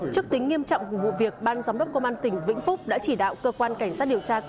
trước tính nghiêm trọng của vụ việc ban giám đốc công an tỉnh vĩnh phúc đã chỉ đạo cơ quan cảnh sát điều tra công an